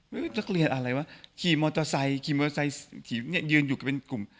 ชุดนักเรียนอะไรวะขี่มอเตอร์ไซค์ขี่มอเตอร์ไซค์ยืนอยู่เป็นกลุ่ม